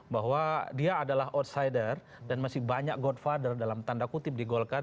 bahwa dia adalah outsider dan masih banyak godfather dalam tanda kutip di golkar